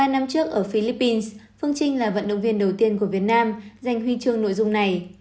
một mươi năm trước ở philippines phương trinh là vận động viên đầu tiên của việt nam giành huy chương nội dung này